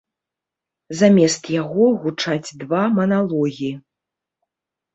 Замест яго гучаць два маналогі.